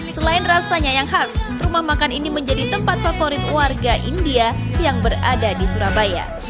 selain rasanya yang khas rumah makan ini menjadi tempat favorit warga india yang berada di surabaya